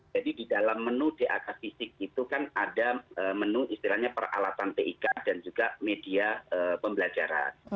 jadi di dalam menu di aka fisik itu kan ada menu istilahnya peralatan tik dan juga media pembelajaran